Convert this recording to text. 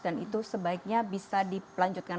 dan itu sebaiknya bisa dipelanjutkan